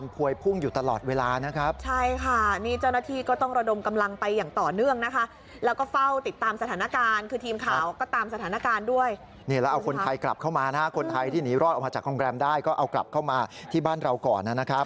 พาจากโครงแรมได้ก็เอากลับเข้ามาที่บ้านเราก่อนนะครับ